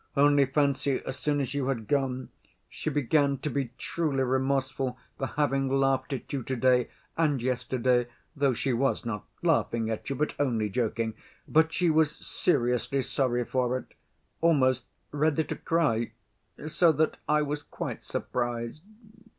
Only fancy, as soon as you had gone, she began to be truly remorseful for having laughed at you to‐day and yesterday, though she was not laughing at you, but only joking. But she was seriously sorry for it, almost ready to cry, so that I was quite surprised.